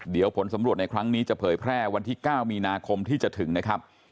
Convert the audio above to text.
เดี๋ยวผลสำรวจในครั้งนี้จะเผยแพร่วันที่๙มีนาคมที่จะถึงนะครับ